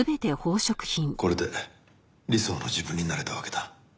これで理想の自分になれたわけだ。